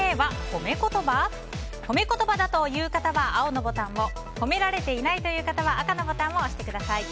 ホメ言葉だという方は青のボタンをホメられていないという方は赤のボタンを押してください。